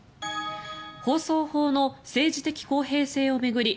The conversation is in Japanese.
放送法の政治的公平性を巡り